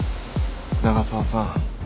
長澤さん